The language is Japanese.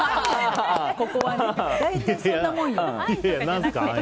大体そんなもんよ。